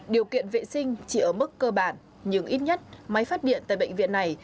điều kiện vệ sinh chỉ ở mức cơ bản nhưng ít nhất máy phát điện tại bệnh viện này